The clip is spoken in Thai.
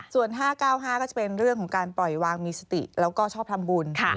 ส่วน๕๙๕ก็จะเป็นเรื่องของการปล่อยวางมีสติแล้วก็ชอบทำบุญ